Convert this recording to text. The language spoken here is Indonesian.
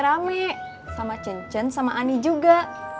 rame sama cen cen sama ani juga